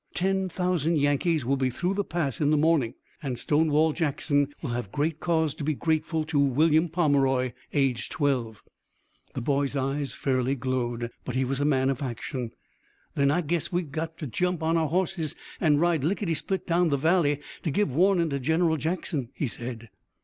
Ten thousand Yankees will be through the pass in the morning, and Stonewall Jackson will have great cause to be grateful to William Pomeroy, aged twelve." The boy's eyes fairly glowed, but he was a man of action. "Then I guess that we've got to jump on our horses and ride lickety split down the valley to give warnin' to General Jackson," he said.